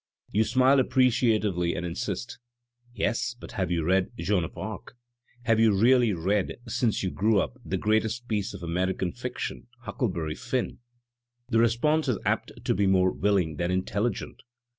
*' You smile appreciatively and insist, "Yes, but have you read 'Joan of Arc'? Have you really read, since you grew up, the greatest piece of American fiction, 'Huckleberry Finn*?" The response is apt to be more willing than intelligent.